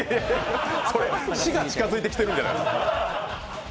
それ、死が近づいてきてるんじゃない？